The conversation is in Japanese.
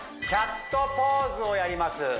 キャットポーズをやります